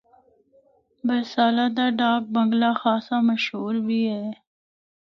برسالہ دا ڈاک بنگلہ خاصا مشہور بھی اے۔